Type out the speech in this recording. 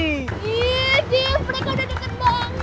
iya div mereka udah dekat banget